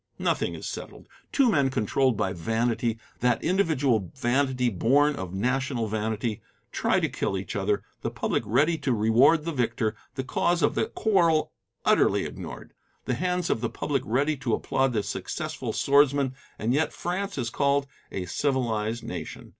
Nothing is settled. Two men controlled by vanity, that individual vanity born of national vanity, try to kill each other; the public ready to reward the victor; the cause of the quarrel utterly ignored; the hands of the public ready to applaud the successful swordsman and yet France is called a civilized nation.